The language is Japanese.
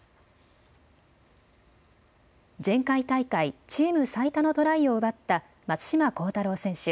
前回大会、チーム最多のトライを奪った松島幸太朗選手。